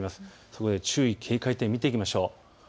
そこで注意、警戒点を見ていきましょう。